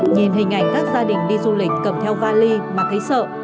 nhìn hình ảnh các gia đình đi du lịch cầm theo vali mà thấy sợ